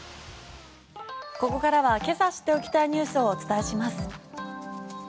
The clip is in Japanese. ここからはけさ知っておきたいニュースをお伝えします。